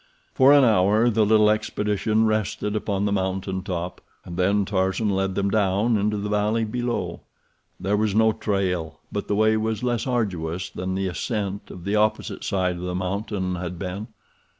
For an hour the little expedition rested upon the mountain top, and then Tarzan led them down into the valley below. There was no trail, but the way was less arduous than the ascent of the opposite face of the mountain had been.